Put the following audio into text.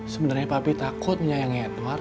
sebenarnya papih takut menyayangi edward